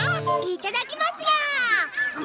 いただきますニャ！